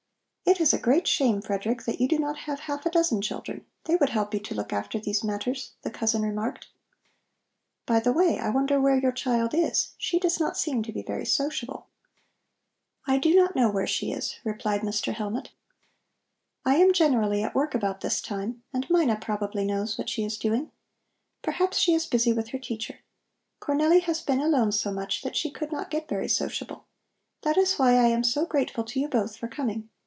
"It is a great shame, Frederick, that you do not have half a dozen children. They would help to look after these matters," the cousin remarked. "By the way, I wonder where your child is. She does not seem to be very sociable." "I do not know where she is," replied Mr. Hellmut. "I am generally at work about this time and Mina probably knows what she is doing. Perhaps she is busy with her teacher. Cornelli has been alone so much that she could not get very sociable. That is why I am so grateful to you both for coming.